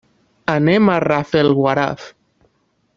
Anem a Rafelguaraf.